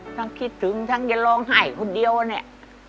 ทั้งคิดถึงทั้งจะลองไห่คนเดียวอะนี่